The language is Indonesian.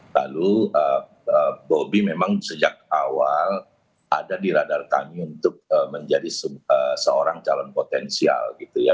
lalu bobi memang sejak awal ada di radar kami untuk menjadi seorang calon potensial gitu ya